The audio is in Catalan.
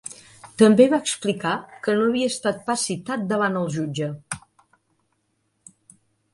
També va explicar que no havia estat pas citat davant el jutge.